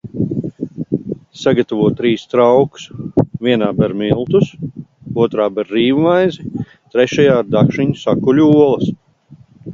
Sagatavo trīs traukus – vienā ber miltus, otrā ber rīvmaizi, trešajā ar dakšiņu sakuļ olas.